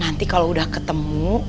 nanti kalau udah ketemu